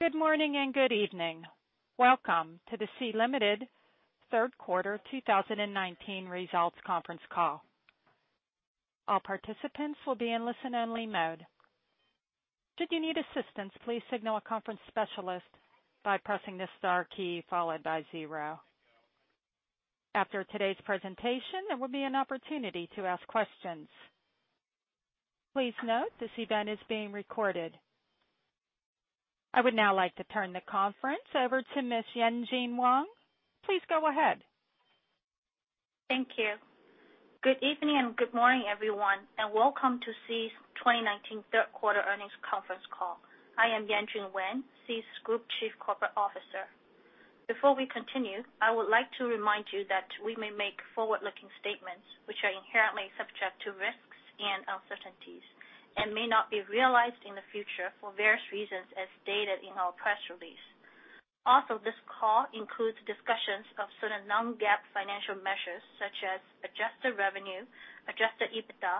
Good morning, and good evening. Welcome to the Sea Limited third quarter 2019 results conference call. All participants will be in listen-only mode. Should you need assistance, please signal a conference specialist by pressing the star key followed by zero. After today's presentation, there will be an opportunity to ask questions. Please note, this event is being recorded. I would now like to turn the conference over to Ms. Yanjun Wang. Please go ahead. Thank you. Good evening and good morning, everyone, and welcome to Sea's 2019 third quarter earnings conference call. I am Yanjun Wang, Sea's Group Chief Corporate Officer. Before we continue, I would like to remind you that we may make forward-looking statements, which are inherently subject to risks and uncertainties, and may not be realized in the future for various reasons as stated in our press release. This call includes discussions of certain non-GAAP financial measures such as adjusted revenue, adjusted EBITDA,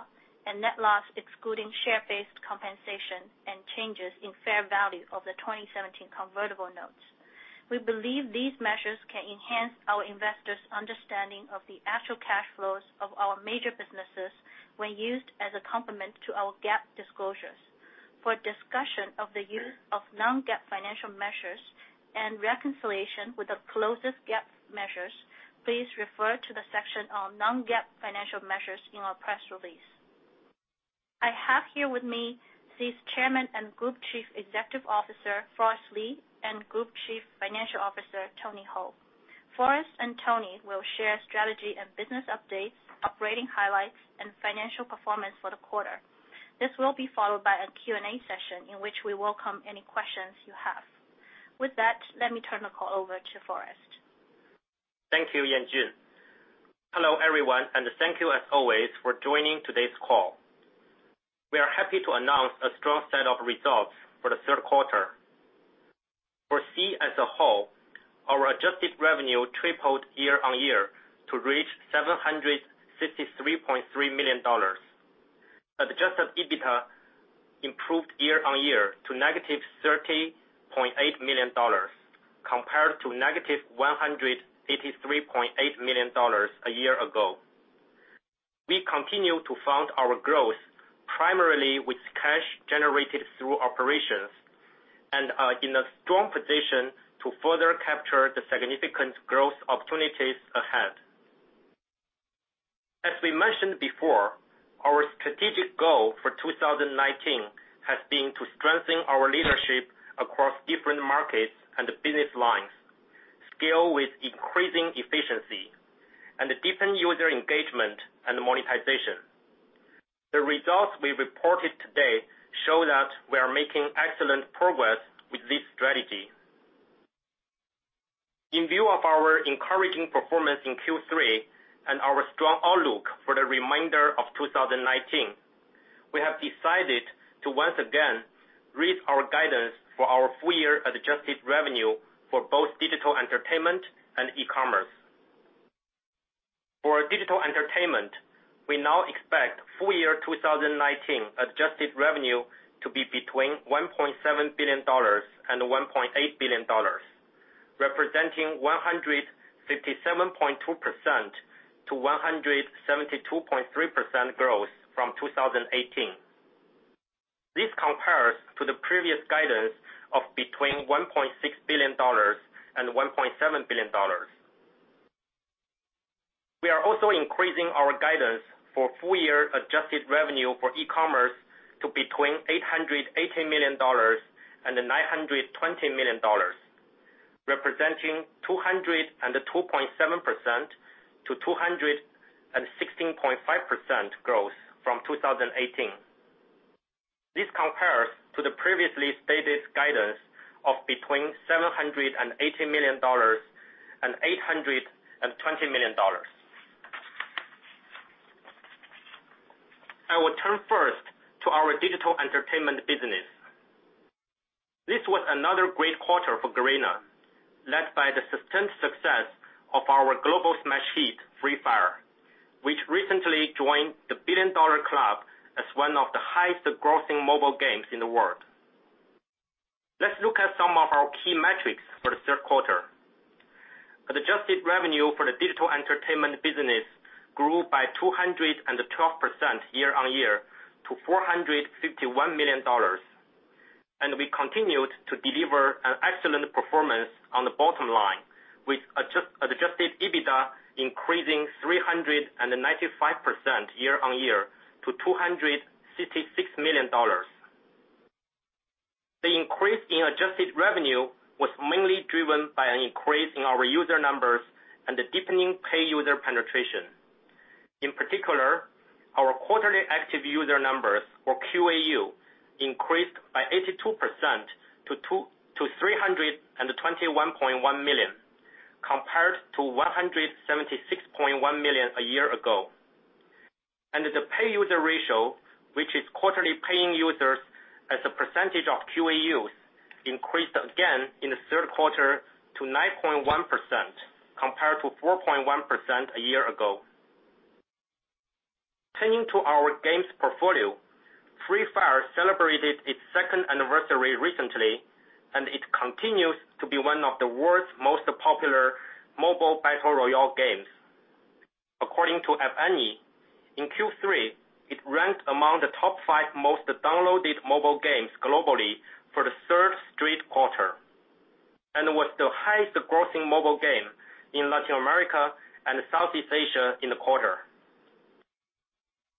and net loss excluding share-based compensation and changes in fair value of the 2017 convertible notes. We believe these measures can enhance our investors' understanding of the actual cash flows of our major businesses when used as a complement to our GAAP disclosures. For a discussion of the use of non-GAAP financial measures and reconciliation with the closest GAAP measures, please refer to the section on non-GAAP financial measures in our press release. I have here with me Sea's Chairman and Group Chief Executive Officer, Forrest Li, and Group Chief Financial Officer, Tony Hou. Forrest and Tony will share strategy and business updates, operating highlights, and financial performance for the quarter. This will be followed by a Q&A session in which we welcome any questions you have. With that, let me turn the call over to Forrest. Thank you, Yanjun. Hello, everyone, and thank you as always for joining today's call. We are happy to announce a strong set of results for the third quarter. For Sea as a whole, our adjusted revenue tripled year-on-year to reach $763.3 million. Adjusted EBITDA improved year-on-year to negative $30.8 million compared to negative $183.8 million a year ago. We continue to fund our growth primarily with cash generated through operations and are in a strong position to further capture the significant growth opportunities ahead. As we mentioned before, our strategic goal for 2019 has been to strengthen our leadership across different markets and business lines, scale with increasing efficiency, and deepen user engagement and monetization. The results we reported today show that we are making excellent progress with this strategy. In view of our encouraging performance in Q3 and our strong outlook for the remainder of 2019, we have decided to once again raise our guidance for our full-year adjusted revenue for both digital entertainment and e-commerce. For digital entertainment, we now expect full-year 2019 adjusted revenue to be between $1.7 billion and $1.8 billion, representing 157.2%-172.3% growth from 2018. This compares to the previous guidance of between $1.6 billion and $1.7 billion. We are also increasing our guidance for full-year adjusted revenue for e-commerce to between $880 million and $920 million, representing 202.7%-216.5% growth from 2018. This compares to the previously stated guidance of between $780 million and $820 million. I will turn first to our digital entertainment business. This was another great quarter for Garena, led by the sustained success of our global smash hit, "Free Fire," which recently joined the billion-dollar club as one of the highest-grossing mobile games in the world. Let's look at some of our key metrics for the third quarter. Adjusted revenue for the digital entertainment business grew by 212% year-on-year to $451 million. We continued to deliver an excellent performance on the bottom line, with adjusted EBITDA increasing 395% year-on-year to $266 million. The increase in adjusted revenue was mainly driven by an increase in our user numbers and a deepening pay user penetration. In particular, our quarterly active user numbers, or QAU, increased by 82% to 321.1 million, compared to 176.1 million a year ago. The pay user ratio, which is quarterly paying users as a percentage of QAUs, increased again in the third quarter to 9.1%, compared to 4.1% a year ago. Turning to our games portfolio, Free Fire celebrated its second anniversary recently, and it continues to be one of the world's most popular mobile battle royale games. According to App Annie, in Q3, it ranked among the top five most downloaded mobile games globally for the third straight quarter, and was the highest grossing mobile game in Latin America and Southeast Asia in the quarter.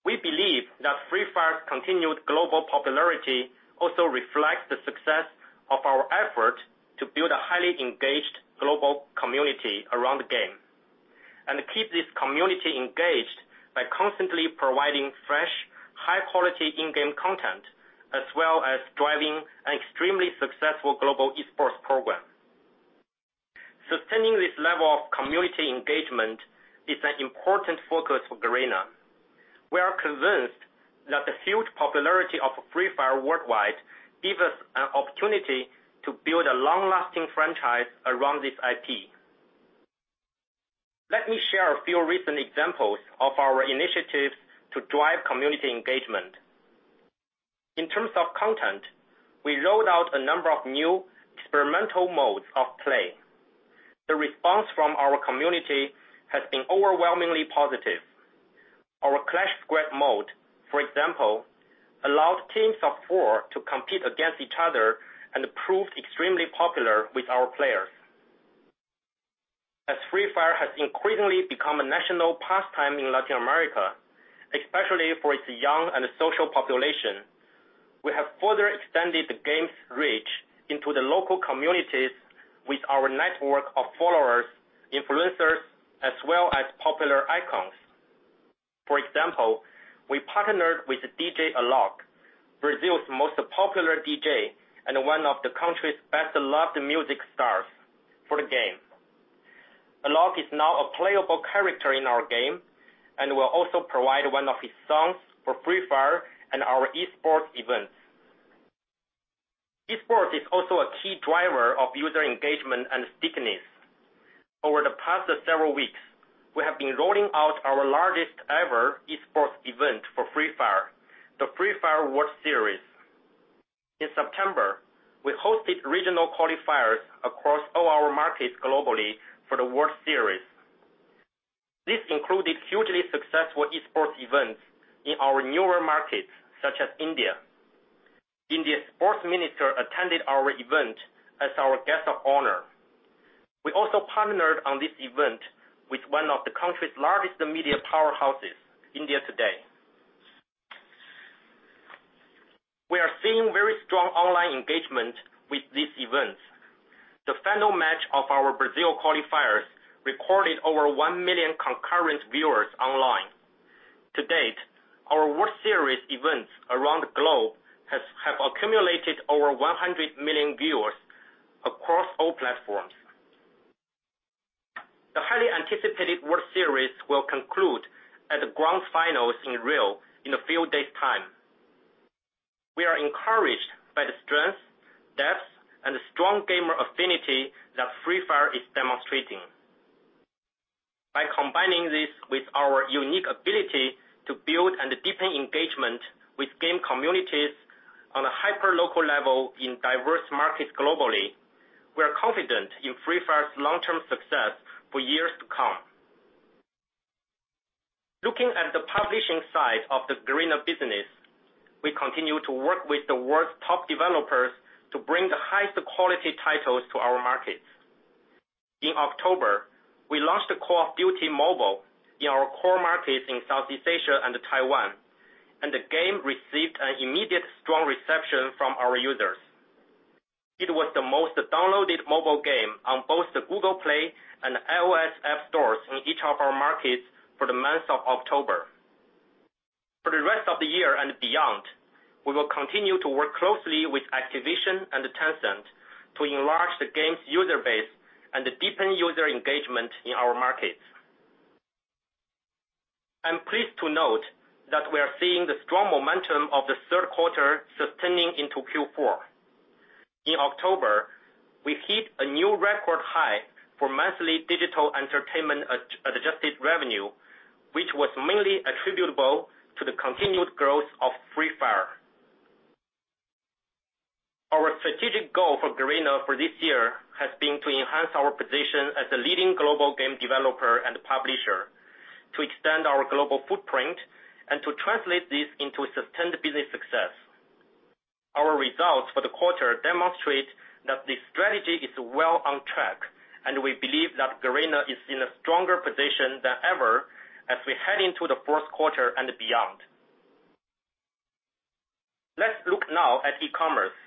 We believe that Free Fire's continued global popularity also reflects the success of our effort to build a highly engaged global community around the game, and keep this community engaged by constantly providing fresh, high-quality in-game content, as well as driving an extremely successful global esports program. Sustaining this level of community engagement is an important focus for Garena. We are convinced that the huge popularity of Free Fire worldwide gives us an opportunity to build a long-lasting franchise around this IP. Let me share a few recent examples of our initiatives to drive community engagement. In terms of content, we rolled out a number of new experimental modes of play. The response from our community has been overwhelmingly positive. Our Clash Squad mode, for example, allowed teams of four to compete against each other and proved extremely popular with our players. As Free Fire has increasingly become a national pastime in Latin America, especially for its young and social population, we have further extended the game's reach into the local communities with our network of followers, influencers, as well as popular icons. For example, we partnered with DJ Alok, Brazil's most popular DJ and one of the country's best-loved music stars, for the game. Alok is now a playable character in our game and will also provide one of his songs for Free Fire and our esports events. Esports is also a key driver of user engagement and stickiness. Over the past several weeks, we have been rolling out our largest ever esports event for Free Fire, the Free Fire World Series. In September, we hosted regional qualifiers across all our markets globally for the World Series. This included hugely successful esports events in our newer markets, such as India. India's sports minister attended our event as our guest of honor. We also partnered on this event with one of the country's largest media powerhouses, India Today. We are seeing very strong online engagement with these events. The final match of our Brazil qualifiers recorded over 1 million concurrent viewers online. To date, our World Series events around the globe have accumulated over 100 million viewers across all platforms. The highly anticipated World Series will conclude at the grand finals in Rio in a few days' time. We are encouraged by the strength, depth, and strong gamer affinity that Free Fire is demonstrating. By combining this with our unique ability to build and deepen engagement with game communities on a hyper-local level in diverse markets globally, we're confident in Free Fire's long-term success for years to come. Looking at the publishing side of the Garena business, we continue to work with the world's top developers to bring the highest quality titles to our markets. In October, we launched Call of Duty Mobile in our core markets in Southeast Asia and Taiwan, and the game received an immediate strong reception from our users. It was the most downloaded mobile game on both the Google Play and iOS App Stores in each of our markets for the month of October. For the rest of the year and beyond, we will continue to work closely with Activision and Tencent to enlarge the game's user base and deepen user engagement in our markets. I'm pleased to note that we are seeing the strong momentum of the third quarter sustaining into Q4. In October, we hit a new record high for monthly digital entertainment adjusted revenue, which was mainly attributable to the continued growth of Free Fire. Our strategic goal for Garena for this year has been to enhance our position as a leading global game developer and publisher, to extend our global footprint, and to translate this into sustained business success. Our results for the quarter demonstrate that this strategy is well on track, and we believe that Garena is in a stronger position than ever as we head into the fourth quarter and beyond. Let's look now at e-commerce.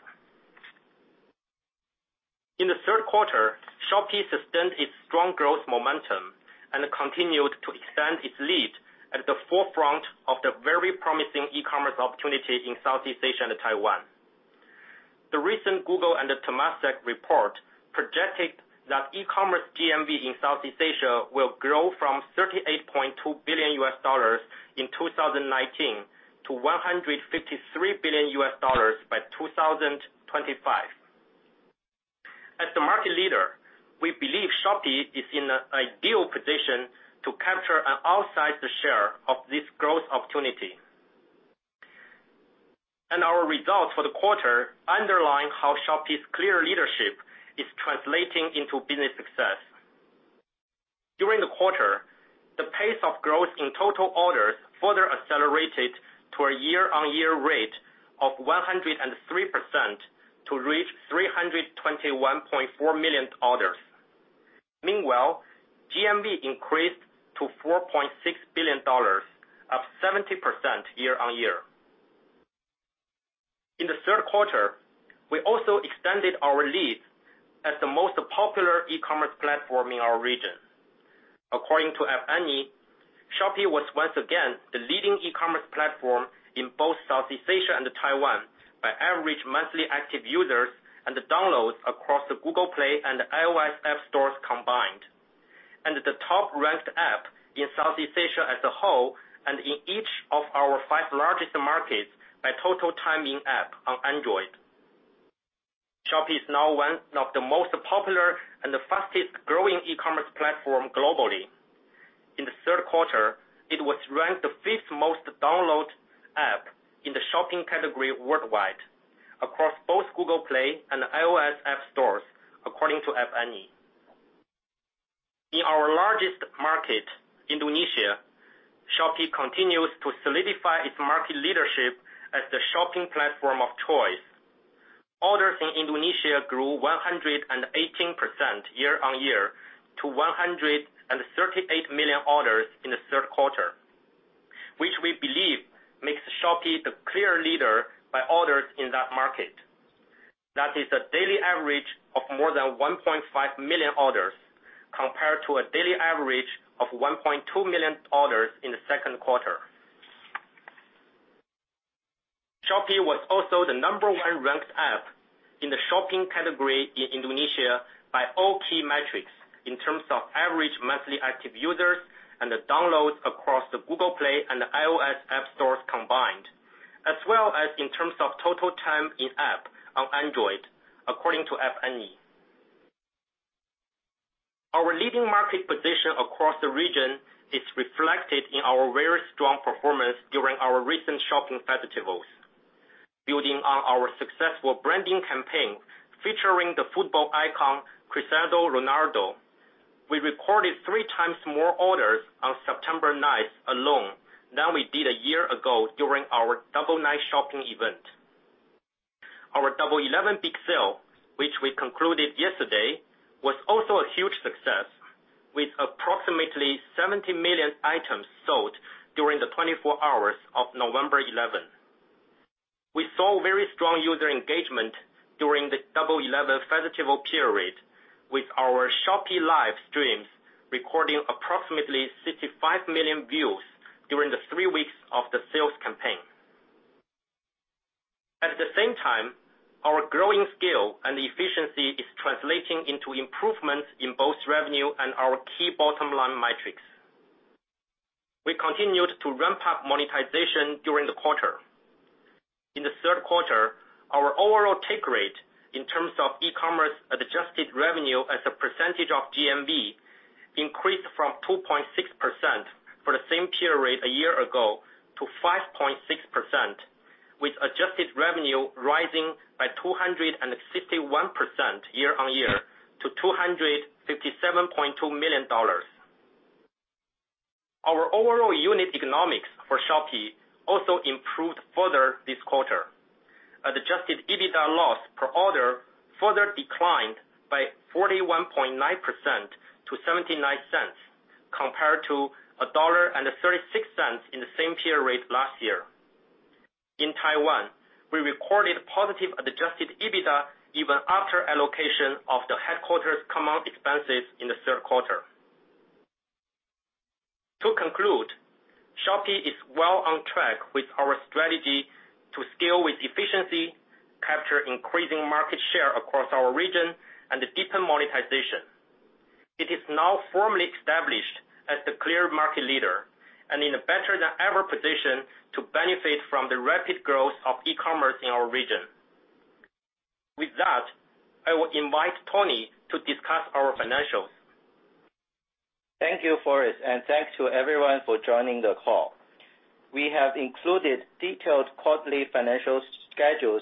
In the third quarter, Shopee sustained its strong growth momentum and continued to extend its lead at the forefront of the very promising e-commerce opportunity in Southeast Asia and Taiwan. The recent Google and Temasek report projected that e-commerce GMV in Southeast Asia will grow from $38.2 billion in 2019 to $153 billion by 2025. Market leader. We believe Shopee is in an ideal position to capture an outsized share of this growth opportunity. Our results for the quarter underline how Shopee's clear leadership is translating into business success. During the quarter, the pace of growth in total orders further accelerated to a year-on-year rate of 103% to reach 321.4 million orders. Meanwhile, GMV increased to $4.6 billion, up 70% year-on-year. In the third quarter, we also extended our lead as the most popular e-commerce platform in our region. According to App Annie, Shopee was once again the leading e-commerce platform in both Southeast Asia and Taiwan by average monthly active users and downloads across the Google Play and iOS App Stores combined, and the top-ranked app in Southeast Asia as a whole, and in each of our five largest markets by total time in-app on Android. Shopee is now one of the most popular and the fastest-growing e-commerce platform globally. In the third quarter, it was ranked the fifth most downloaded app in the shopping category worldwide, across both Google Play and iOS App Stores, according to App Annie. In our largest market, Indonesia, Shopee continues to solidify its market leadership as the shopping platform of choice. Orders in Indonesia grew 118% year-on-year to 138 million orders in the third quarter, which we believe makes Shopee the clear leader by orders in that market. That is a daily average of more than 1.5 million orders, compared to a daily average of 1.2 million orders in the second quarter. Shopee was also the number one ranked app in the shopping category in Indonesia by all key metrics, in terms of average monthly active users and the downloads across the Google Play and iOS App Stores combined, as well as in terms of total time in-app on Android, according to App Annie. Our leading market position across the region is reflected in our very strong performance during our recent shopping festivals. Building on our successful branding campaign, featuring the football icon, Cristiano Ronaldo, we recorded three times more orders on September 9th alone than we did a year ago during our Double 9 shopping event. Our Double 11 big sale, which we concluded yesterday, was also a huge success, with approximately 70 million items sold during the 24 hours of November 11th. We saw very strong user engagement during the Double 11 festival period, with our Shopee Live streams recording approximately 65 million views during the three weeks of the sales campaign. At the same time, our growing scale and efficiency is translating into improvements in both revenue and our key bottom-line metrics. We continued to ramp up monetization during the quarter. In the third quarter, our overall take rate, in terms of e-commerce adjusted revenue as a percentage of GMV, increased from 2.6% for the same period a year ago to 5.6%, with adjusted revenue rising by 261% year-on-year to $257.2 million. Our overall unit economics for Shopee also improved further this quarter. Adjusted EBITDA loss per order further declined by 41.9% to $0.79, compared to $1.36 in the same period last year. In Taiwan, we recorded positive adjusted EBITDA even after allocation of the headquarters' common expenses in the third quarter. To conclude, Shopee is well on track with our strategy to scale with efficiency, capture increasing market share across our region, and deepen monetization. It is now formally established as the clear market leader and in a better-than-ever position to benefit from the rapid growth of e-commerce in our region. With that, I will invite Tony to discuss our financials. Thank you, Forrest, and thanks to everyone for joining the call. We have included detailed quarterly financial schedules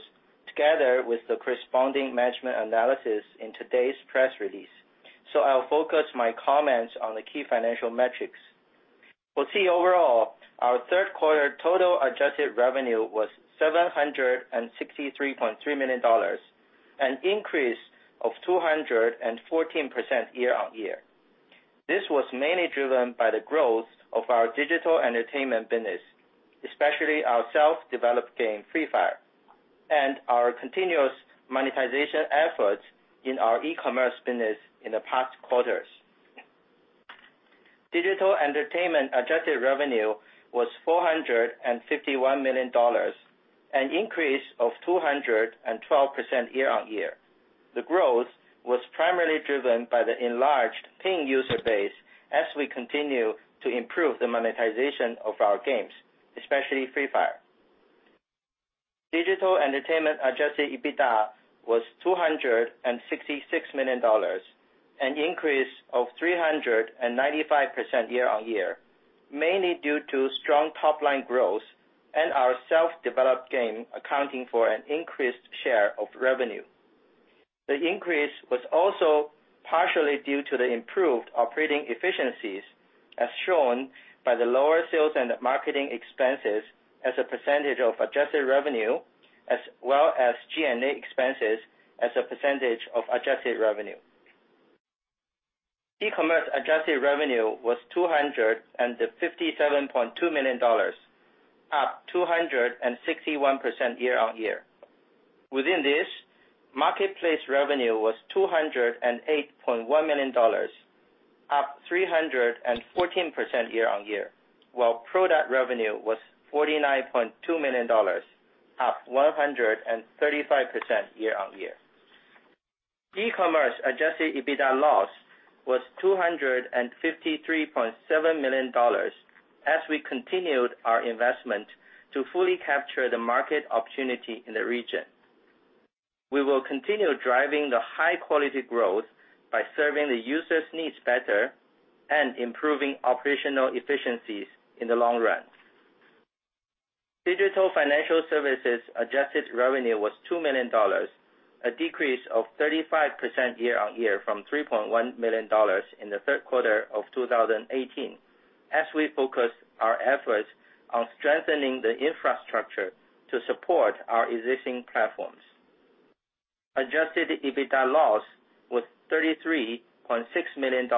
together with the corresponding management analysis in today's press release. I'll focus my comments on the key financial metrics. We'll see overall, our third quarter total adjusted revenue was $763.3 million, an increase of 214% year-on-year. This was mainly driven by the growth of our digital entertainment business, especially our self-developed game, Free Fire, and our continuous monetization efforts in our e-commerce business in the past quarters. Digital entertainment adjusted revenue was $451 million, an increase of 212% year-on-year. The growth was primarily driven by the enlarged paying user base as we continue to improve the monetization of our games, especially Free Fire. Digital entertainment adjusted EBITDA was $266 million, an increase of 395% year-on-year, mainly due to strong top-line growth and our self-developed game accounting for an increased share of revenue. The increase was also partially due to the improved operating efficiencies, as shown by the lower sales and marketing expenses as a percentage of adjusted revenue, as well as G&A expenses as a percentage of adjusted revenue. E-commerce adjusted revenue was $257.2 million, up 261% year-on-year. Within this, marketplace revenue was $208.1 million, up 314% year-on-year, while product revenue was $49.2 million, up 135% year-on-year. E-commerce adjusted EBITDA loss was $253.7 million as we continued our investment to fully capture the market opportunity in the region. We will continue driving the high-quality growth by serving the users' needs better and improving operational efficiencies in the long run. Digital financial services adjusted revenue was $2 million, a decrease of 35% year-on-year from $3.1 million in the third quarter of 2018, as we focused our efforts on strengthening the infrastructure to support our existing platforms. Adjusted EBITDA loss was $33.6 million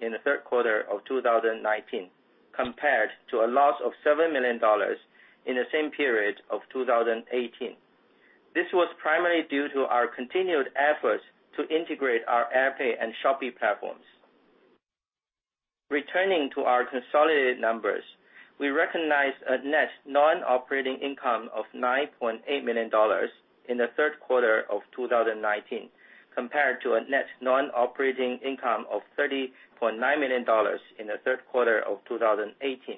in the third quarter of 2019, compared to a loss of $7 million in the same period of 2018. This was primarily due to our continued efforts to integrate our AirPay and Shopee platforms. Returning to our consolidated numbers, we recognized a net non-operating income of $9.8 million in the third quarter of 2019, compared to a net non-operating income of $30.9 million in the third quarter of 2018.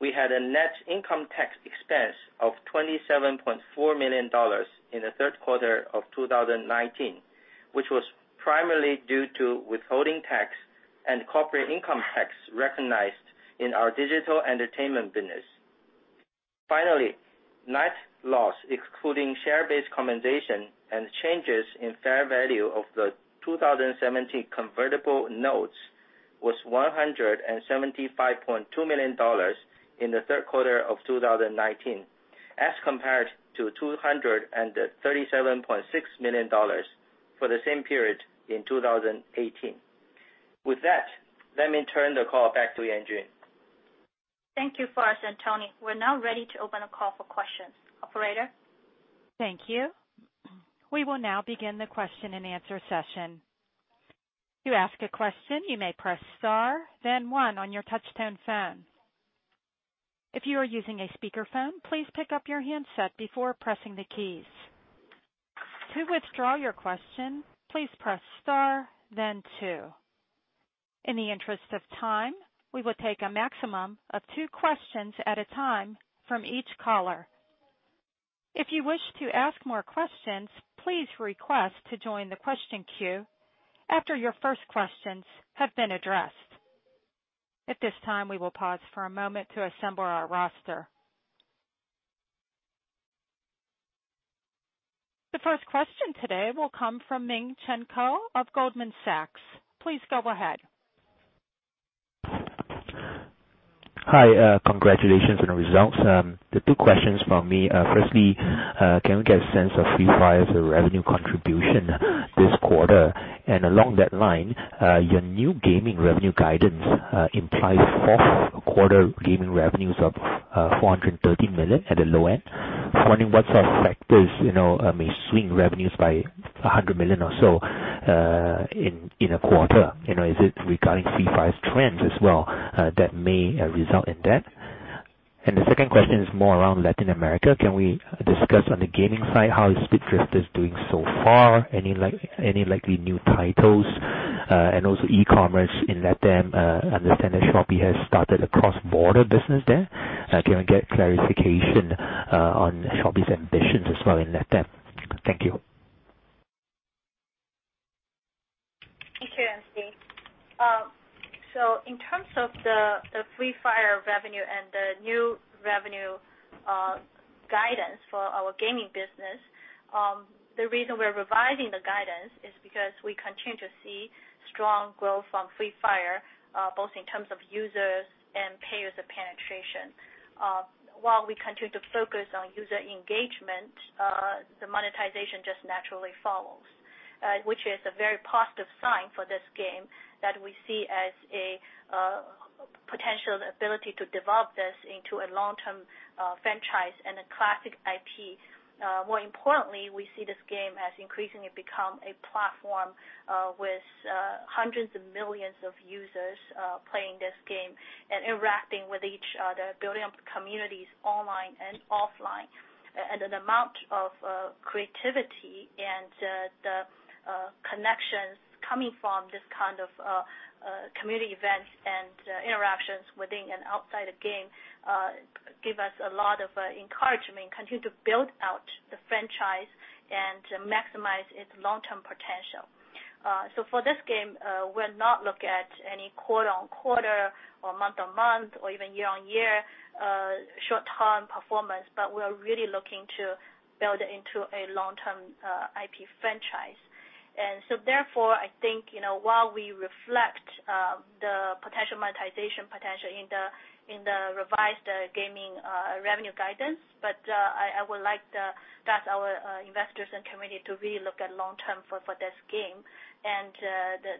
We had a net income tax expense of $27.4 million in the third quarter of 2019, which was primarily due to withholding tax and corporate income tax recognized in our digital entertainment business. Finally, net loss, excluding share-based compensation and changes in fair value of the 2017 convertible notes, was $175.2 million in the third quarter of 2019 as compared to $237.6 million for the same period in 2018. With that, let me turn the call back to Yanjun. Thank you, Forrest and Tony. We're now ready to open the call for questions. Operator? Thank you. We will now begin the question-and-answer session. To ask a question, you may press star then one on your touchtone phone. If you are using a speakerphone, please pick up your handset before pressing the keys. To withdraw your question, please press star then two. In the interest of time, we will take a maximum of two questions at a time from each caller. If you wish to ask more questions, please request to join the question queue after your first questions have been addressed. At this time, we will pause for a moment to assemble our roster. The first question today will come from Miang Chuen Koh of Goldman Sachs. Please go ahead. Hi. Congratulations on the results. The two questions from me. Firstly, can we get a sense of Free Fire's revenue contribution this quarter? Along that line, your new gaming revenue guidance implies fourth quarter gaming revenues of $430 million at the low end. I was wondering what sort of factors may swing revenues by $100 million or so in a quarter. Is it regarding Free Fire's trends as well that may result in that? The second question is more around Latin America. Can we discuss on the gaming side how is Speed Drifters doing so far? Any likely new titles? Also, e-commerce in LATAM. I understand that Shopee has started a cross-border business there. Can we get clarification on Shopee's ambitions as well in LATAM? Thank you. Thank you, Miang. In terms of the Free Fire revenue and the new revenue guidance for our gaming business, the reason we're revising the guidance is because we continue to see strong growth from Free Fire, both in terms of users and payer penetration. While we continue to focus on user engagement, the monetization just naturally follows, which is a very positive sign for this game that we see as a potential ability to develop this into a long-term franchise and a classic IP. More importantly, we see this game as increasingly become a platform with hundreds of millions of users playing this game and interacting with each other, building up communities online and offline. The amount of creativity and the connections coming from this kind of community events and interactions within and outside the game give us a lot of encouragement, continue to build out the franchise and maximize its long-term potential. For this game, we'll not look at any quarter-over-quarter or month-over-month or even year-over-year short-term performance, but we are really looking to build into a long-term IP franchise. Therefore, I think, while we reflect the potential monetization potential in the revised gaming revenue guidance, but I would like to ask our investors and community to really look at long-term for this game and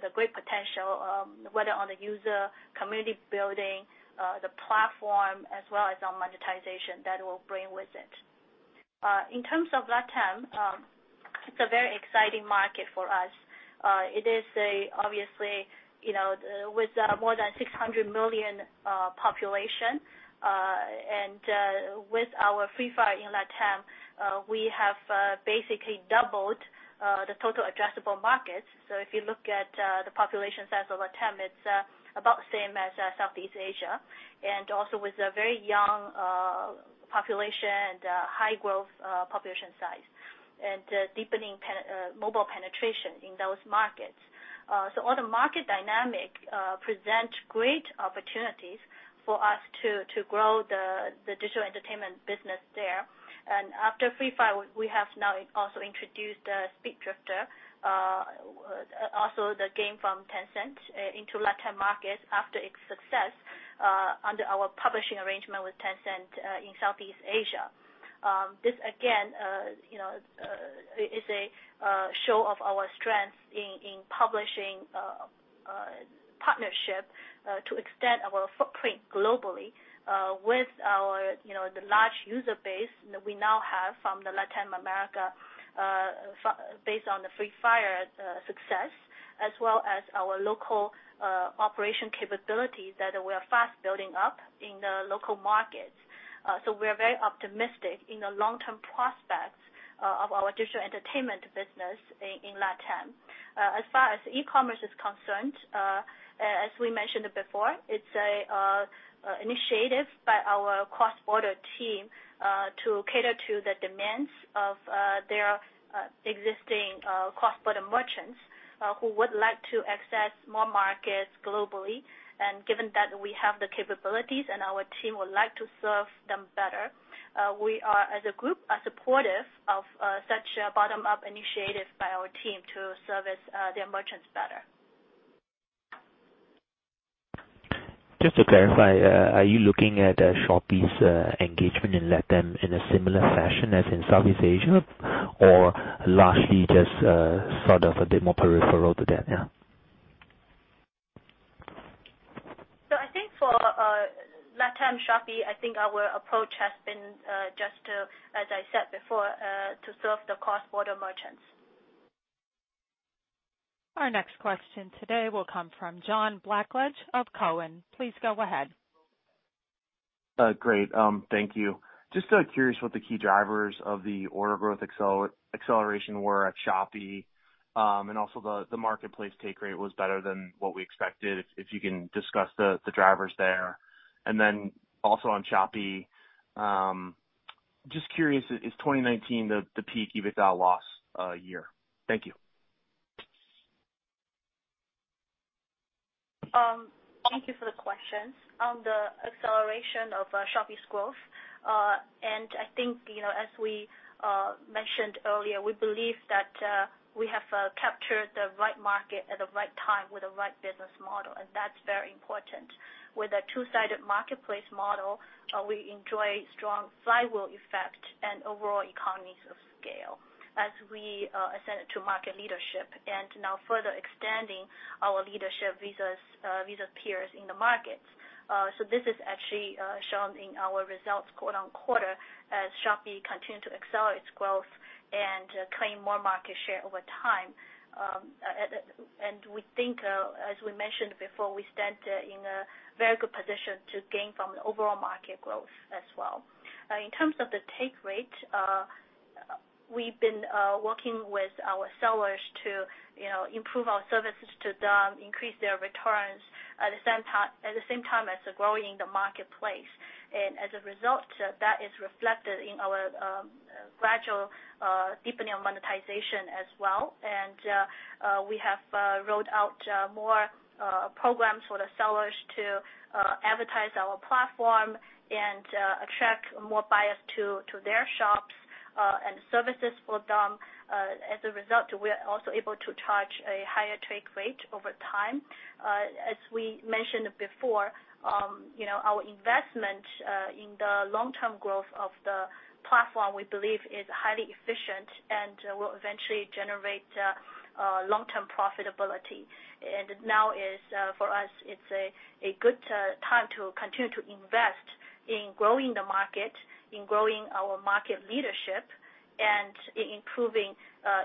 the great potential, whether on the user community building, the platform, as well as on monetization that it will bring with it. In terms of LatAm, it's a very exciting market for us. It is obviously with more than 600 million population. With our Free Fire in LatAm, we have basically doubled the total addressable market. If you look at the population size of LatAm, it's about the same as Southeast Asia, and also with a very young population and high growth population size, and deepening mobile penetration in those markets. All the market dynamic present great opportunities for us to grow the digital entertainment business there. After Free Fire, we have now also introduced Speed Drifters, also the game from Tencent, into LatAm markets after its success under our publishing arrangement with Tencent in Southeast Asia. This again is a show of our strength in publishing partnership to extend our footprint globally with the large user base that we now have from the LATAM based on the Free Fire success. As well as our local operation capabilities that we are fast building up in the local markets. We are very optimistic in the long-term prospects of our digital entertainment business in LatAm. As far as e-commerce is concerned, as we mentioned before, it's a initiative by our cross-border team to cater to the demands of their existing cross-border merchants who would like to access more markets globally. Given that we have the capabilities and our team would like to serve them better, we are, as a group, are supportive of such a bottom-up initiative by our team to service their merchants better. Just to clarify, are you looking at Shopee's engagement in LatAm in a similar fashion as in Southeast Asia, or largely just sort of a bit more peripheral to that, yeah? I think for LatAm Shopee, I think our approach has been just to, as I said before, to serve the cross-border merchants. Our next question today will come from John Blackledge of Cowen. Please go ahead. Great. Thank you. Just curious what the key drivers of the order growth acceleration were at Shopee, and also the marketplace take rate was better than what we expected, if you can discuss the drivers there. Also on Shopee, just curious, is 2019 the peak EBITDA loss year? Thank you. Thank you for the questions. On the acceleration of Shopee's growth, and I think, as we mentioned earlier, we believe that we have captured the right market at the right time with the right business model, and that's very important. With a two-sided marketplace model, we enjoy strong flywheel effect and overall economies of scale as we ascend to market leadership. Now further extending our leadership vis-à-vis peers in the markets. This is actually shown in our results quarter-over-quarter as Shopee continue to accelerate its growth and claim more market share over time. We think, as we mentioned before, we stand in a very good position to gain from the overall market growth as well. In terms of the take rate, we've been working with our sellers to improve our services to them, increase their returns at the same time as growing the marketplace. As a result, that is reflected in our gradual deepening of monetization as well. We have rolled out more programs for the sellers to advertise our platform and attract more buyers to their shops, and services for them. As a result, we are also able to charge a higher take rate over time. As we mentioned before, our investment in the long-term growth of the platform, we believe is highly efficient and will eventually generate long-term profitability. Now for us, it's a good time to continue to invest in growing the market, in growing our market leadership, and improving,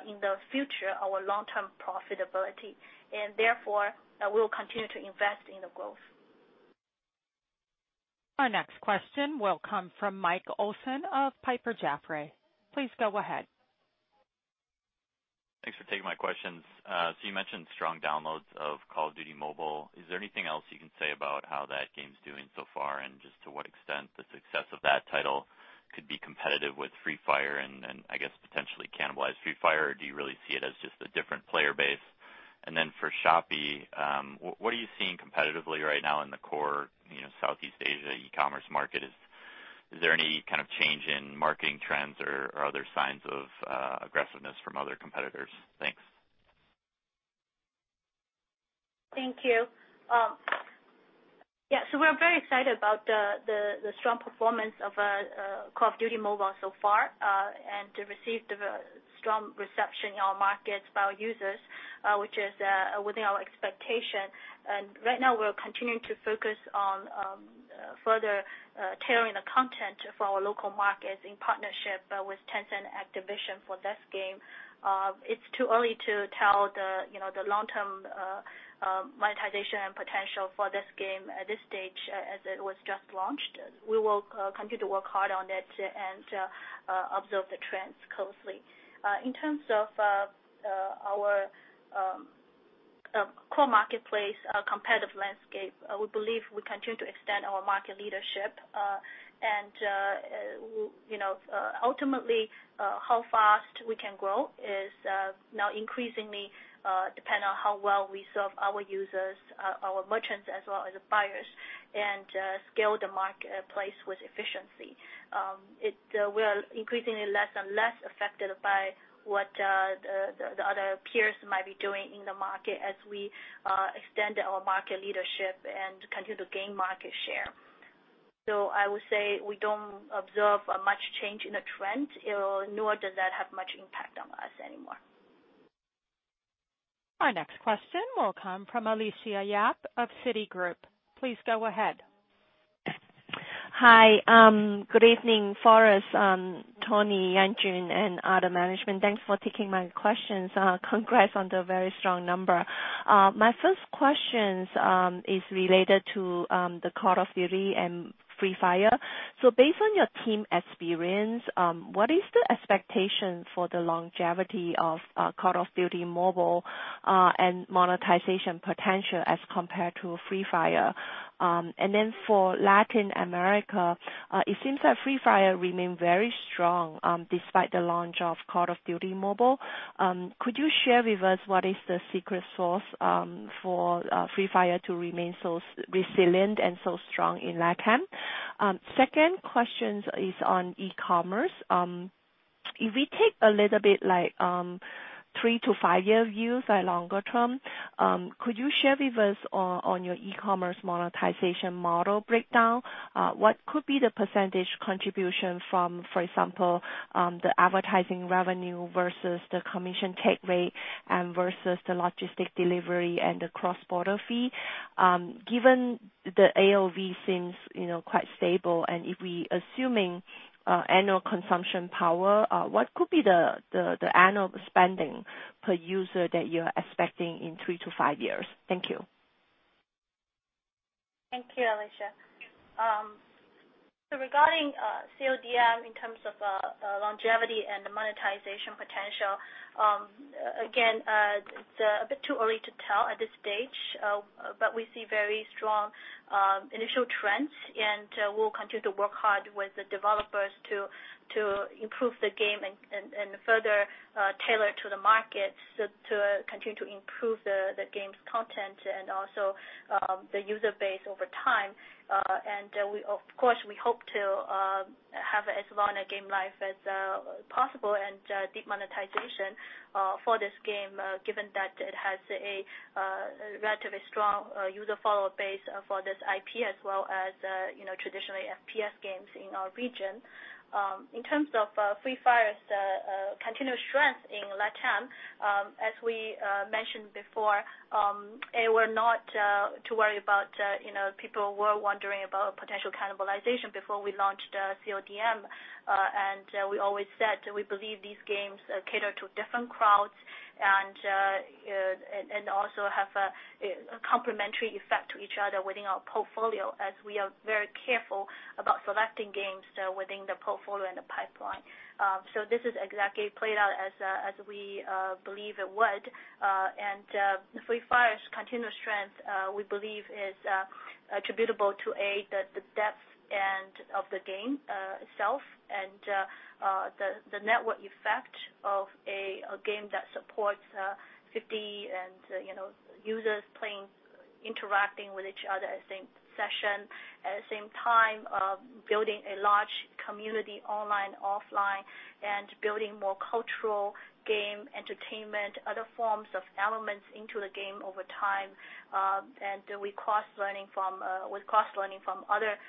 in the future, our long-term profitability. Therefore, we'll continue to invest in the growth. Our next question will come from Mike Olson of Piper Jaffray. Please go ahead. Thanks for taking my questions. You mentioned strong downloads of Call of Duty Mobile. Is there anything else you can say about how that game's doing so far, and just to what extent the success of that title could be competitive with Free Fire and, I guess, potentially cannibalize Free Fire? Do you really see it as just a different player base? For Shopee, what are you seeing competitively right now in the core Southeast Asia e-commerce market? Is there any kind of change in marketing trends or other signs of aggressiveness from other competitors? Thanks. Thank you. Yeah, we're very excited about the strong performance of Call of Duty Mobile so far, and to receive strong reception in our markets by our users, which is within our expectation. right now, we're continuing to focus on further tailoring the content for our local markets in partnership with Tencent and Activision for this game. It's too early to tell the long-term monetization potential for this game at this stage, as it was just launched. We will continue to work hard on it and observe the trends closely. In terms of our core marketplace competitive landscape, we believe we continue to extend our market leadership. ultimately, how fast we can grow now increasingly depend on how well we serve our users, our merchants as well as buyers, and scale the marketplace with efficiency. We are increasingly less and less affected by what the other peers might be doing in the market as we extend our market leadership and continue to gain market share. I would say we don't observe much change in the trend, nor does that have much impact on us anymore. Our next question will come from Alicia Yap of Citigroup. Please go ahead. Hi. Good evening, Forrest, Tony, Yanjun, and other management. Thanks for taking my questions. Congrats on the very strong number. My first question is related to the Call of Duty and Free Fire. Based on your team experience, what is the expectation for the longevity of Call of Duty Mobile, and monetization potential as compared to Free Fire? Then for Latin America, it seems that Free Fire remains very strong despite the launch of Call of Duty Mobile. Could you share with us what is the secret sauce for Free Fire to remain so resilient and so strong in LATAM? Second question is on e-commerce. If we take a little bit like three to five-year views or longer term, could you share with us on your e-commerce monetization model breakdown? What could be the percentage contribution from, for example, the advertising revenue versus the commission take rate and versus the logistic delivery and the cross-border fee? Given the AOV seems quite stable, and if we assuming annual consumption power, what could be the annual spending per user that you're expecting in three to five years? Thank you. Thank you, Alicia. Regarding CODM in terms of longevity and monetization potential, again, it's a bit too early to tell at this stage, but we see very strong initial trends, and we'll continue to work hard with the developers to improve the game and further tailor to the market to continue to improve the game's content and also the user base over time. Of course, we hope to have as long a game life as possible and deep monetization for this game, given that it has a relatively strong user follow base for this IP as well as traditionally FPS games in our region. In terms of Free Fire's continued strength in LATAM, as we mentioned before, we're not too worried about people who were wondering about potential cannibalization before we launched CODM. We always said we believe these games cater to different crowds and also have a complementary effect to each other within our portfolio, as we are very careful about selecting games within the portfolio and the pipeline. This has exactly played out as we believed it would. Free Fire's continued strength, we believe, is attributable to, A, the depth of the game itself and the network effect of a game that supports 50 users playing, interacting with each other at the same session, at the same time, building a large community online, offline, and building more cultural game entertainment, other forms of elements into the game over time with cross-learning from other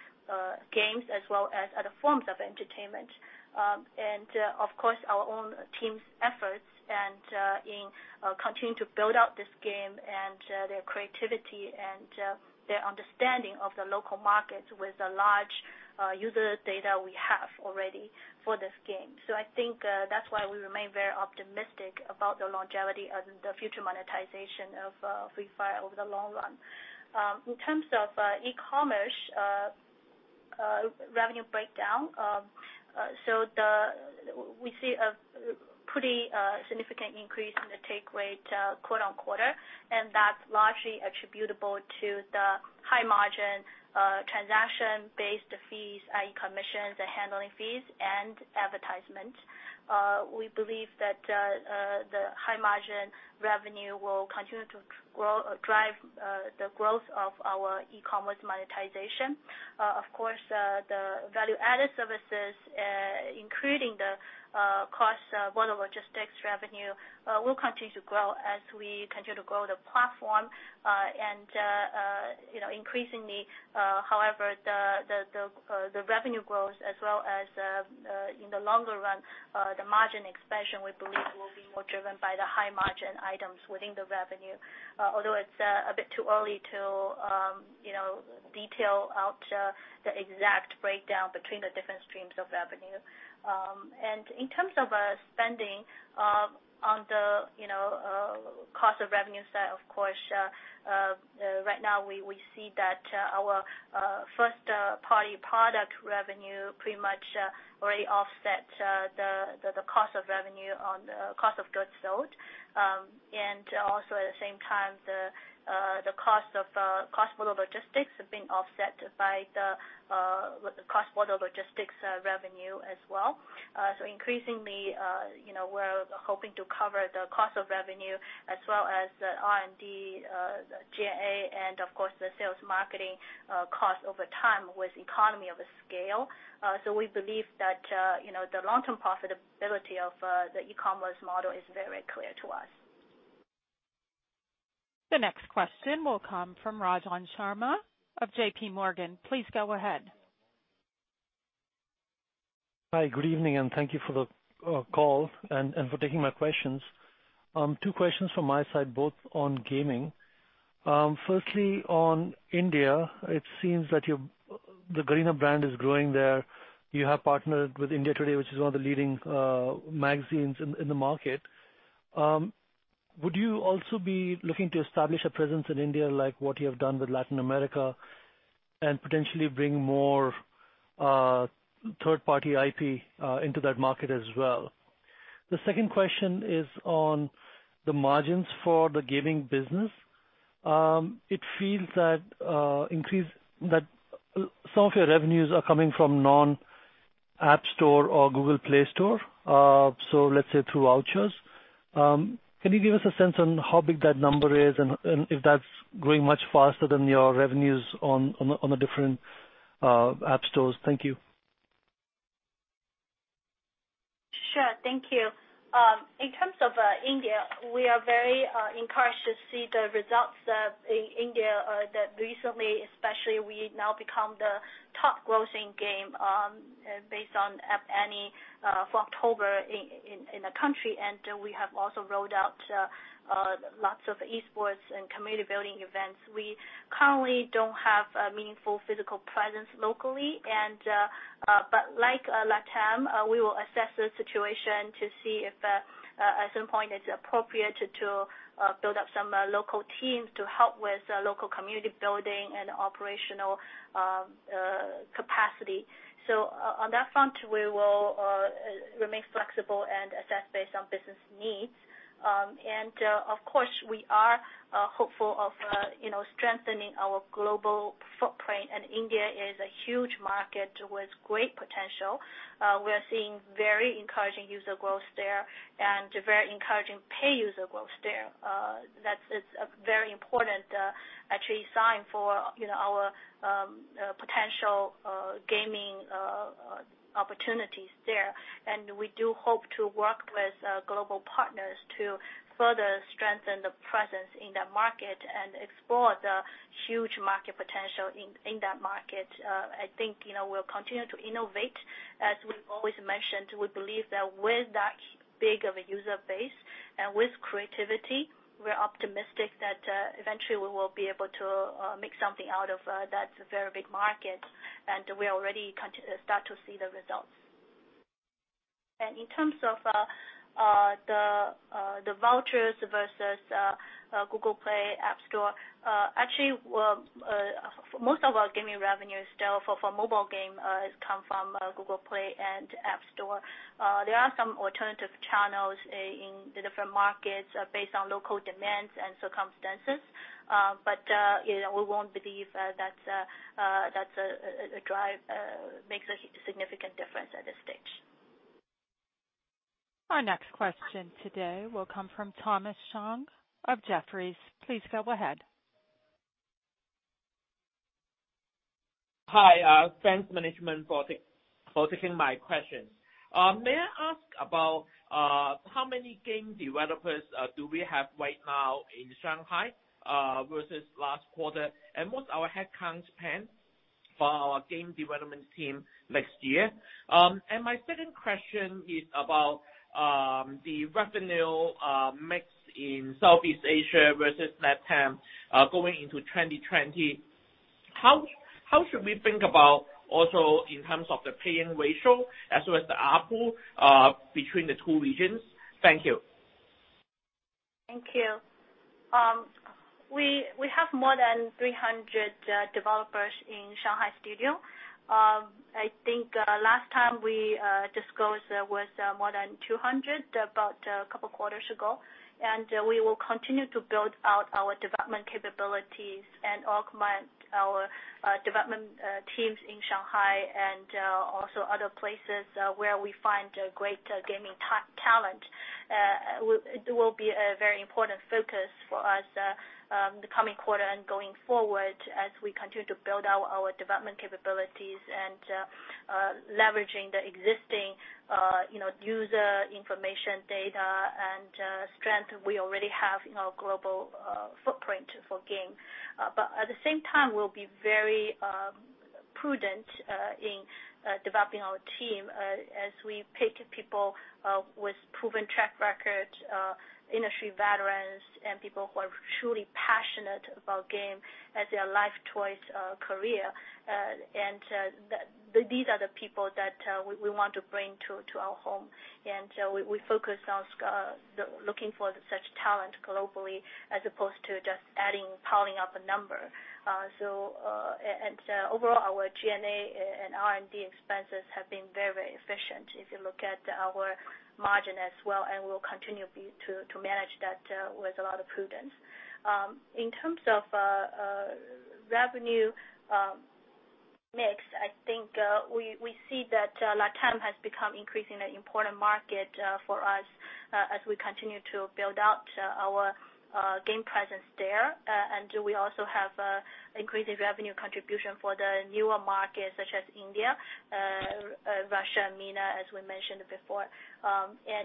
games as well as other forms of entertainment. Of course, our own team's efforts in continuing to build out this game and their creativity and their understanding of the local market with a large user data we have already for this game. I think that's why we remain very optimistic about the longevity and the future monetization of Free Fire over the long run. In terms of e-commerce revenue breakdown, we see a pretty significant increase in the take rate quarter-on-quarter, and that's largely attributable to the high-margin transaction-based fees, i.e., commissions and handling fees, and advertisement. We believe that the high-margin revenue will continue to drive the growth of our e-commerce monetization. Of course, the value-added services, including the cross-border logistics revenue, will continue to grow as we continue to grow the platform. Increasingly, however, the revenue growth as well as in the longer run, the margin expansion, we believe, will be more driven by the high-margin items within the revenue. Although it's a bit too early to detail out the exact breakdown between the different streams of revenue. In terms of spending on the cost of revenue side, of course, right now we see that our first-party product revenue pretty much already offsets the cost of revenue on the cost of goods sold. Also at the same time, the cross-border logistics have been offset by the cross-border logistics revenue as well. Increasingly, we're hoping to cover the cost of revenue as well as the R&D, the G&A, and of course, the sales marketing cost over time with economy of scale. We believe that the long-term profitability of the e-commerce model is very clear to us. The next question will come from Ranjan Sharma of JP Morgan. Please go ahead. Hi, good evening, and thank you for the call and for taking my questions. Two questions from my side, both on gaming. Firstly, on India, it seems that the Garena brand is growing there. You have partnered with India Today, which is one of the leading magazines in the market. Would you also be looking to establish a presence in India like what you have done with Latin America and potentially bring more third-party IP into that market as well? The second question is on the margins for the gaming business. It feels that some of your revenues are coming from non-App Store or Google Play Store, so let's say through vouchers. Can you give us a sense on how big that number is and if that's growing much faster than your revenues on the different app stores? Thank you. Sure. Thank you. In terms of India, we are very encouraged to see the results in India that recently, especially we now become the top-grossing game based on App Annie for October in the country. We have also rolled out lots of esports and community-building events. We currently don't have a meaningful physical presence locally, but like LatAm, we will assess the situation to see if at some point it's appropriate to build up some local teams to help with local community building and operational capacity. On that front, we will remain flexible and assess based on business needs. Of course, we are hopeful of strengthening our global footprint, and India is a huge market with great potential. We are seeing very encouraging user growth there and very encouraging paid user growth there. That is a very important actually sign for our potential gaming opportunities there. We do hope to work with global partners to further strengthen the presence in that market and explore the huge market potential in that market. I think we'll continue to innovate. As we've always mentioned, we believe that with that big of a user base and with creativity, we're optimistic that eventually we will be able to make something out of that very big market, and we already start to see the results. In terms of the vouchers versus Google Play, App Store, actually, most of our gaming revenues still for mobile game come from Google Play and App Store. There are some alternative channels in the different markets based on local demands and circumstances. We won't believe that makes a significant difference at this stage. Our next question today will come from Thomas Chong of Jefferies. Please go ahead. Hi. Thanks, management for taking my questions. May I ask about how many game developers do we have right now in Shanghai versus last quarter, and what's our headcount plan for our game development team next year? My second question is about the revenue mix in Southeast Asia versus LatAm going into 2020. How should we think about, also in terms of the paying ratio as well as the ARPU between the two regions? Thank you. Thank you. We have more than 300 developers in Shanghai Studio. I think last time we disclosed there was more than 200, about a couple of quarters ago. We will continue to build out our development capabilities and augment our development teams in Shanghai and also other places where we find great gaming talent. It will be a very important focus for us the coming quarter and going forward as we continue to build out our development capabilities and leveraging the existing user information data and strength we already have in our global footprint for game. At the same time, we'll be very prudent in developing our team as we pick people with proven track record, industry veterans, and people who are truly passionate about game as their life choice career. These are the people that we want to bring to our home. We focus on looking for such talent globally as opposed to just adding, piling up a number. Overall, our G&A and R&D expenses have been very efficient if you look at our margin as well, and we'll continue to manage that with a lot of prudence. In terms of revenue mix, I think we see that LATAM has become increasingly an important market for us as we continue to build out our game presence there. We also have increasing revenue contribution for the newer markets such as India, Russia, MENA, as we mentioned before.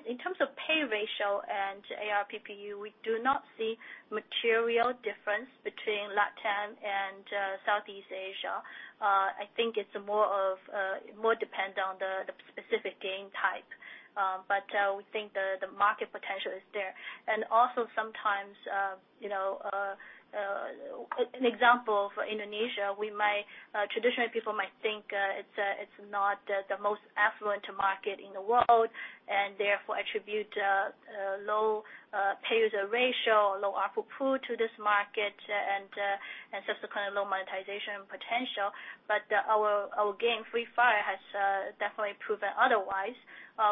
In terms of pay ratio and ARPPU, we do not see material difference between LATAM and Southeast Asia. I think it's more dependent on the specific game type. We think the market potential is there. also sometimes, an example for Indonesia, traditionally people might think it's not the most affluent market in the world, and therefore attribute low pay user ratio or low ARPU to this market, and subsequently low monetization potential. our game Free Fire has definitely proven otherwise.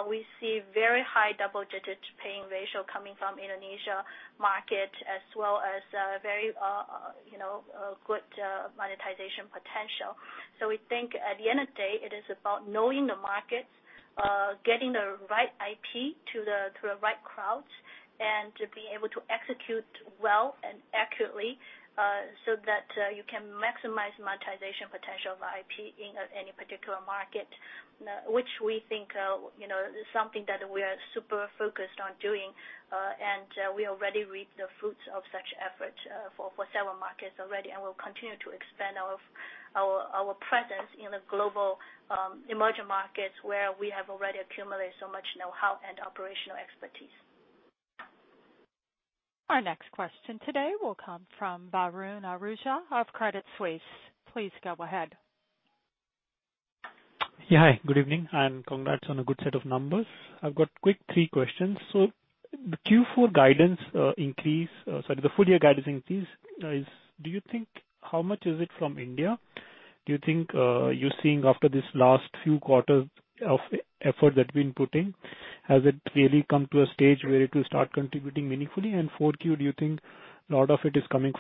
We see very high double-digit paying ratio coming from Indonesia market as well as very good monetization potential. we think at the end of the day, it is about knowing the markets, getting the right IP to the right crowds, and to be able to execute well and accurately so that you can maximize monetization potential of IP in any particular market, which we think is something that we are super focused on doing. we already reap the fruits of such efforts for several markets already, and we'll continue to expand our presence in the global emerging markets where we have already accumulated so much know-how and operational expertise. Our next question today will come from Varun Ahuja of Credit Suisse. Please go ahead. Yeah. Hi, good evening, and congrats on a good set of numbers. I've got quick three questions. The full-year guidance increase is, do you think, how much is it from India? Do you think you're seeing after these last few quarters of effort that we've been putting, has it really come to a stage where it will start contributing meaningfully? 4Q, do you think a lot of it is coming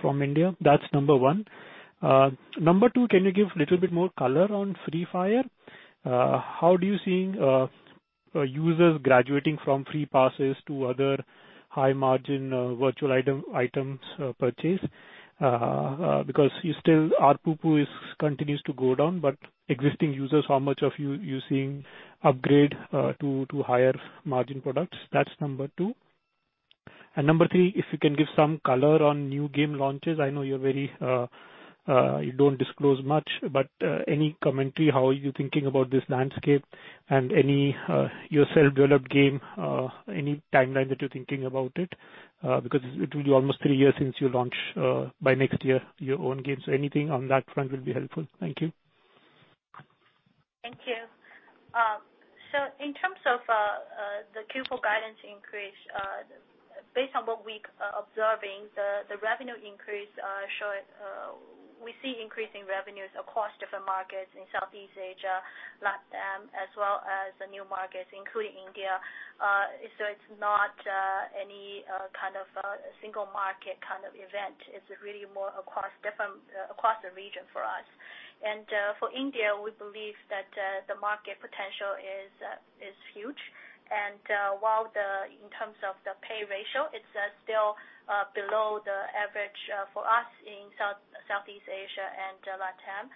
from India? That's number one. Number two, can you give a little bit more color on Free Fire? How do you seeing users graduating from free passes to other high-margin virtual items purchase? Because you still, ARPU continues to go down, but existing users, how much are you seeing upgrade to higher margin products? That's number two. Number three, if you can give some color on new game launches. I know you don't disclose much, but any commentary how are you thinking about this landscape, and any your self-developed game, any timeline that you're thinking about it? Because it will be almost three years since you launch by next year your own games. Anything on that front will be helpful. Thank you. Thank you. In terms of the Q4 guidance increase, based on what we're observing, the revenue increase show we see increasing revenues across different markets in Southeast Asia, LATAM, as well as the new markets including India. It's not any kind of a single market kind of event. It's really more across the region for us. For India, we believe that the market potential is huge. While in terms of the pay ratio, it's still below the average for us in Southeast Asia and LATAM.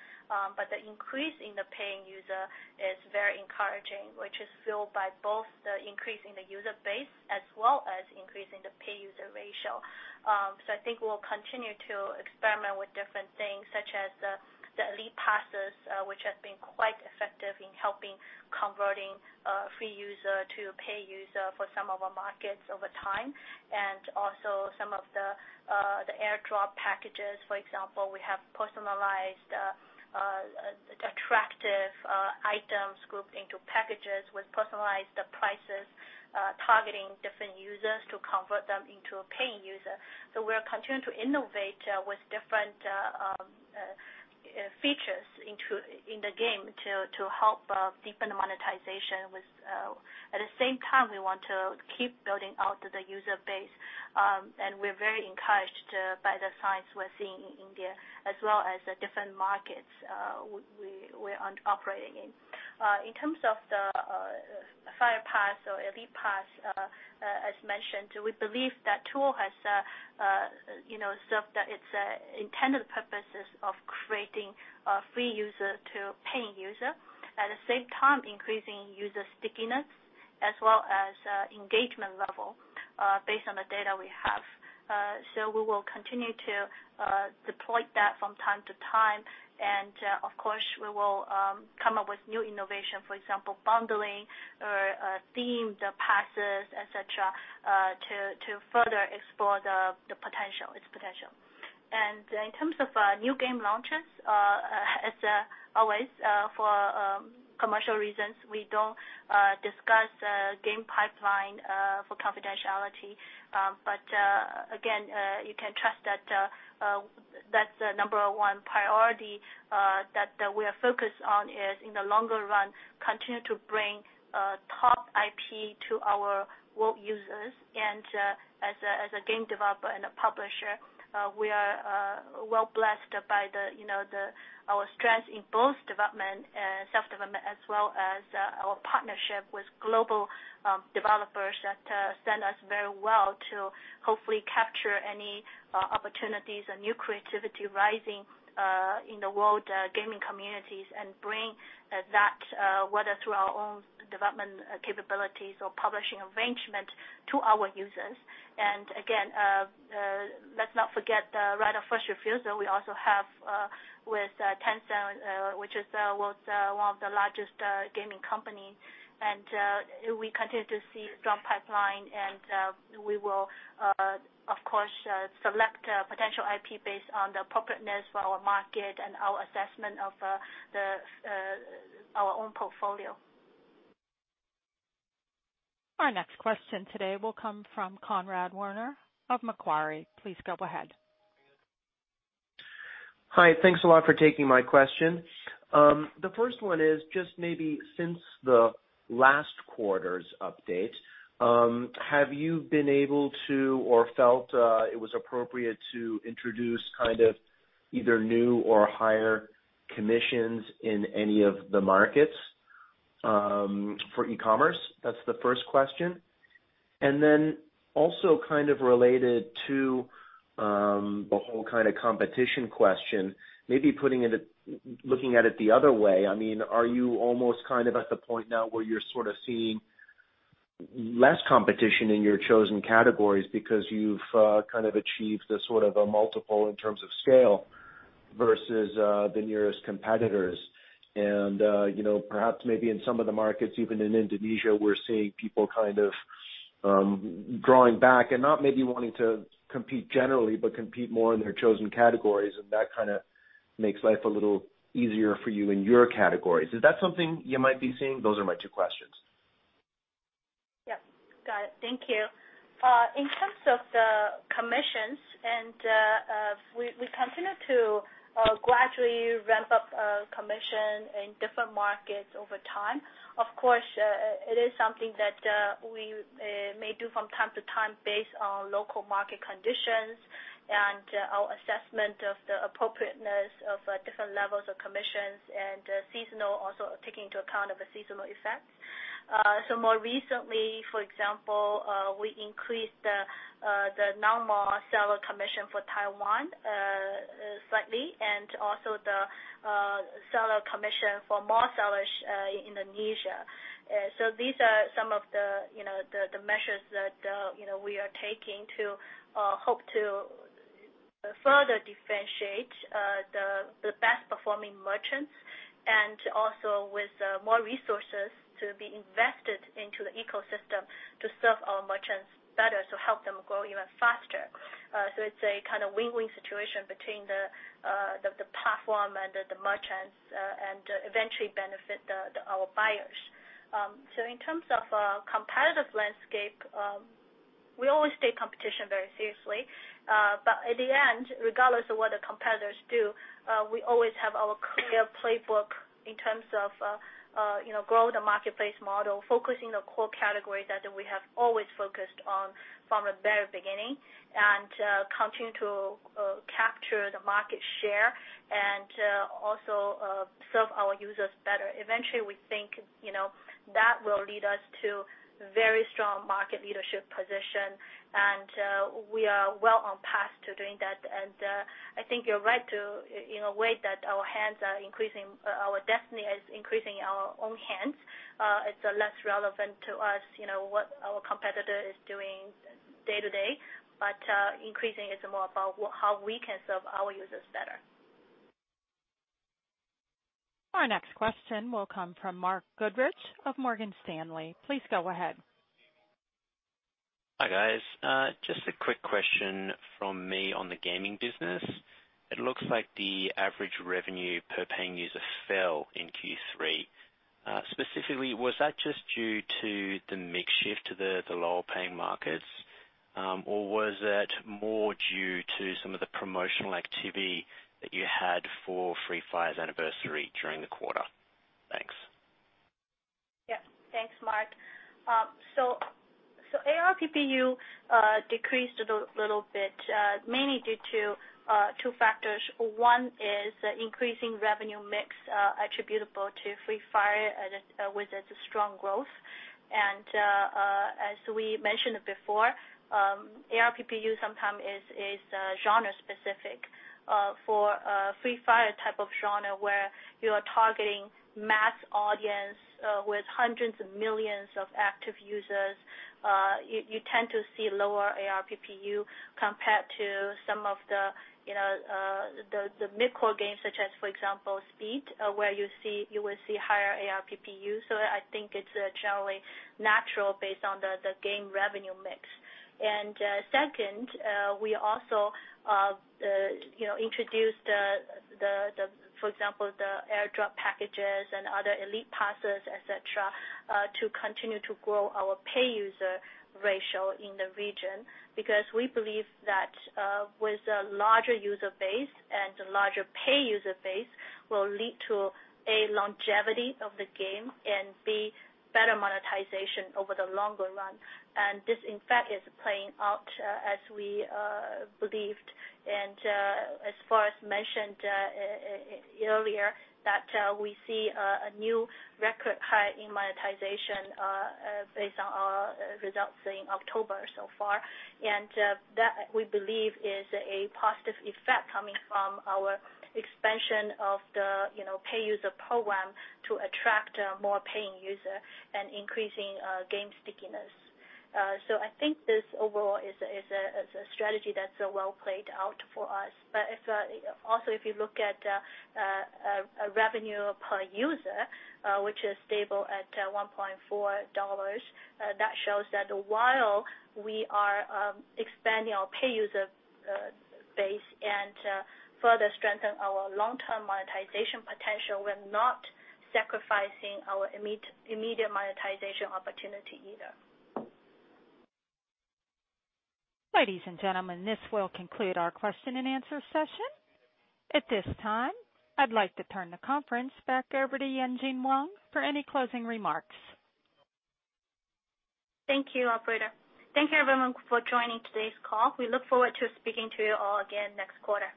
The increase in the paying user is very encouraging, which is fueled by both the increase in the user base as well as increase in the pay user ratio. I think we'll continue to experiment with different things such as passes, which have been quite effective in helping converting free user to a paid user for some of our markets over time, and also some of the AirDrop packages. For example, we have personalized attractive items grouped into packages with personalized prices, targeting different users to convert them into a paying user. we are continuing to innovate with different features in the game to help deepen the monetization. At the same time, we want to keep building out the user base. we're very encouraged by the signs we're seeing in India as well as the different markets we're operating in. In terms of the Fire Pass or Elite Pass, as mentioned, we believe that tool has served its intended purposes of creating a free user to paying user, at the same time, increasing user stickiness as well as engagement level based on the data we have. we will continue to deploy that from time to time. of course, we will come up with new innovation, for example, bundling or themed passes, et cetera, to further explore its potential. in terms of new game launches, as always for commercial reasons, we don't discuss game pipeline for confidentiality. again, you can trust that the number one priority that we are focused on is, in the longer run, continue to bring top IP to our world users. As a game developer and a publisher, we are well blessed by our strength in both development, self-development, as well as our partnership with global developers that stand us very well to hopefully capture any opportunities and new creativity rising in the world gaming communities and bring that, whether through our own development capabilities or publishing arrangement, to our users. Again, let's not forget the right of first refusal we also have with Tencent, which is one of the largest gaming company. We continue to see strong pipeline and we will, of course, select potential IP based on the appropriateness for our market and our assessment of our own portfolio. Our next question today will come from Conrad Werner of Macquarie. Please go ahead. Hi. Thanks a lot for taking my question. The first one is just maybe since the last quarter's update, have you been able to or felt it was appropriate to introduce either new or higher commissions in any of the markets for e-commerce? That's the first question. Then also kind of related to the whole competition question, maybe looking at it the other way, are you almost at the point now where you're sort of seeing less competition in your chosen categories because you've achieved a multiple in terms of scale versus the nearest competitors? Perhaps maybe in some of the markets, even in Indonesia, we're seeing people kind of drawing back and not maybe wanting to compete generally, but compete more in their chosen categories, and that kind of makes life a little easier for you in your categories. Is that something you might be seeing? Those are my two questions. Yeah. Got it. Thank you. In terms of the commissions, we continue to gradually ramp up commission in different markets over time. Of course, it is something that we may do from time to time based on local market conditions and our assessment of the appropriateness of different levels of commissions and also taking into account of the seasonal effect. More recently, for example, we increased the normal seller commission for Taiwan slightly, and also the seller commission for more sellers in Indonesia. These are some of the measures that we are taking to hope to further differentiate the best-performing merchants, and also with more resources to be invested into the ecosystem to serve our merchants better, to help them grow even faster. It's a kind of win-win situation between the platform and the merchants, and eventually benefit our buyers. In terms of competitive landscape, we always take competition very seriously. At the end, regardless of what the competitors do, we always have our clear playbook in terms of grow the marketplace model, focusing on core categories that we have always focused on from the very beginning, and continue to capture the market share and also serve our users better. Eventually, we think that will lead us to very strong market leadership position, and we are well on path to doing that. I think you're right to, in a way, that our destiny is increasing in our own hands. It's less relevant to us what our competitor is doing and day-to-day, but increasing is more about how we can serve our users better. Our next question will come from Mark Goodridge of Morgan Stanley. Please go ahead. Hi, guys. Just a quick question from me on the gaming business. It looks like the average revenue per paying user fell in Q3. Specifically, was that just due to the mix shift to the lower-paying markets? Was that more due to some of the promotional activity that you had for Free Fire's anniversary during the quarter? Thanks. Yeah. Thanks, Mark. ARPPU decreased a little bit, mainly due to two factors. One is increasing revenue mix attributable to Free Fire with its strong growth. As we mentioned before, ARPPU sometimes is genre-specific. For Free Fire type of genre, where you are targeting mass audience with hundreds of millions of active users, you tend to see lower ARPPU compared to some of the mid-core games, such as, for example, Speed, where you will see higher ARPPU. I think it's generally natural based on the game revenue mix. Second, we also introduced, for example, the airdrop packages and other elite passes, et cetera, to continue to grow our pay user ratio in the region, because we believe that with a larger user base and a larger pay user base will lead to, A, longevity of the game, and B, better monetization over the longer run. This, in fact, is playing out as we believed, and as Forrest mentioned earlier, that we see a new record high in monetization based on our results in October so far. That, we believe, is a positive effect coming from our expansion of the pay user program to attract more paying user and increasing game stickiness. I think this overall is a strategy that's well played out for us. Also, if you look at revenue per user, which is stable at $1.40, that shows that while we are expanding our pay user base and further strengthen our long-term monetization potential, we're not sacrificing our immediate monetization opportunity either. Ladies and gentlemen, this will conclude our question and answer session. At this time, I'd like to turn the conference back over to Yanjun Wang for any closing remarks. Thank you, operator. Thank you, everyone, for joining today's call. We look forward to speaking to you all again next quarter.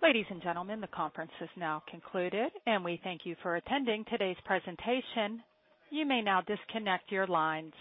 Ladies and gentlemen, the conference has now concluded, and we thank you for attending today's presentation. You may now disconnect your lines.